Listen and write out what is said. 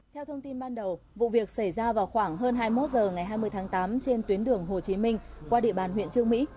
theo thông tin ban đầu vụ việc xảy ra vào khoảng hơn hai mươi một h ngày hai mươi tháng tám trên tuyến đường hồ chí minh qua địa bàn huyện trương mỹ